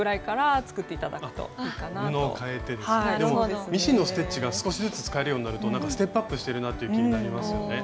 でもミシンのステッチが少しずつ使えるようになるとステップアップしてるなって気になりますよね。